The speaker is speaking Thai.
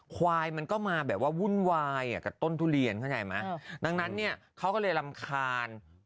ควายมันก็มาแบบว่าวุ่นวายกับต้นทุเรียนเข้าใจไหมดังนั้นเนี่ยเขาก็เลยรำคาญ